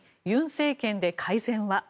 尹政権で改善は？